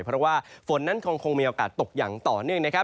เพราะว่าฝนนั้นคงมีโอกาสตกอย่างต่อเนื่องนะครับ